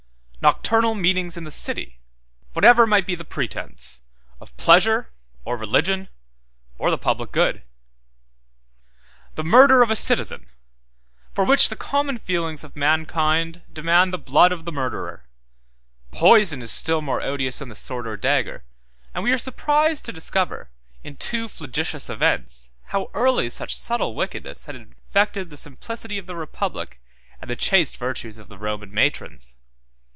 2. Nocturnal meetings in the city; whatever might be the pretence, of pleasure, or religion, or the public good. 3. The murder of a citizen; for which the common feelings of mankind demand the blood of the murderer. Poison is still more odious than the sword or dagger; and we are surprised to discover, in two flagitious events, how early such subtle wickedness had infected the simplicity of the republic, and the chaste virtues of the Roman matrons.